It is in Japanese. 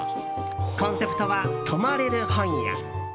コンセプトは泊まれる本屋。